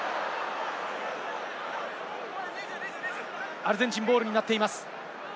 アルゼンチンボールになっています。